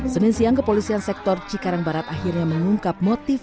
senin siang kepolisian sektor cikarang barat akhirnya mengungkap motif